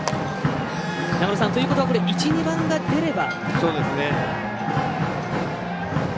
ということは１、２番が出れば。